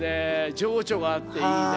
情緒があっていいね。